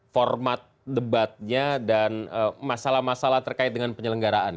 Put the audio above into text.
format debatnya dan masalah masalah terkait dengan penyelenggaraan